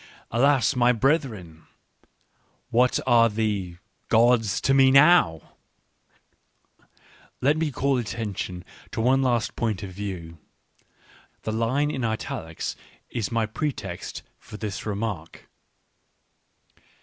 Alas, my brethren ! What are the — gods to me now ?" Let me call attention to one last point of view. The line in italics is my pretext for this remark.